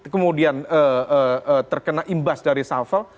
kemudian terkena imbas dari safel